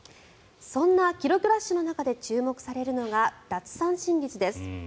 そんな記録ラッシュの中で注目されるのが奪三振率です。